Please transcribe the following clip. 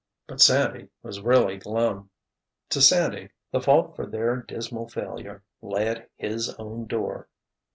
But Sandy was really glum. To Sandy, the fault for their dismal failure lay at his own door.